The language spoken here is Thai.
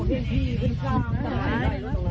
ร้านแล้วอ่ะร้านก็แยะ